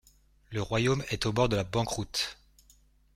Le Royaume est au bord de la banqueroute.